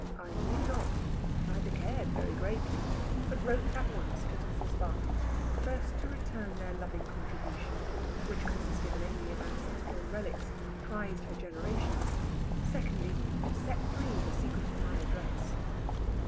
I knew not, neither cared very greatly, but wrote at once to Tossil's Barton, first to return their loving contribution, which consisted mainly of ancestral relics prized for generations, secondly, to set free the secret of my address.